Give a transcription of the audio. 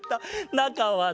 なかはな